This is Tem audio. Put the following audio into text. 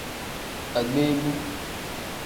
Agbeebu.